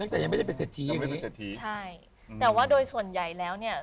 แต่ยังไม่ได้เป็นเศรษฐีอย่างนี้ใช่แต่ว่าโดยส่วนใหญ่แล้วเนี่ย